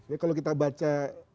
jadi kalau kita baca